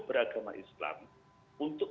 beragama islam untuk